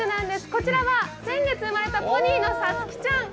こちらは先月生まれたポニーのさつきちゃん。